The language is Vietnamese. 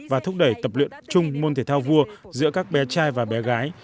và thúc đẩy tập luyện chung môn thể thao vua giữa các bé trai và bé gái